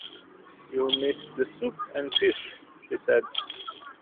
‘You’ve missed the soup and fish,’ she said.